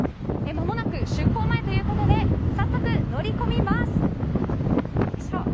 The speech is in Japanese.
まもなく出航前ということで早速乗り込みます。